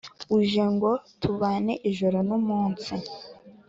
uje ngo tubane ijoro n’umunsi